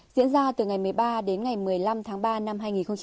diễn ra từ ngày một mươi ba đến ngày một mươi năm tháng ba năm hai nghìn hai mươi